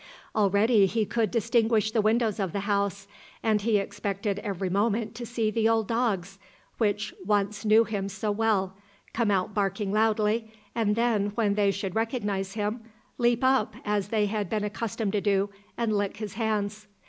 Already he could distinguish the windows of the house, and he expected every moment to see the old dogs, which once knew him so well, come out barking loudly, and then when they should recognise him, leap up, as they had been accustomed to do, and lick his hands.